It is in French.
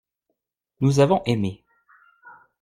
Nous avons aimé.